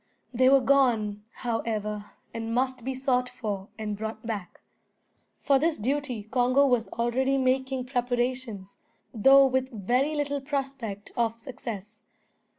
They were gone, however, and must be sought for and brought back. For this duty Congo was already making preparations, though with very little prospect of success.